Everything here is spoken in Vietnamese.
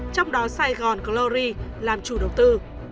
trong đó sài gòn glory làm chủ đầu tư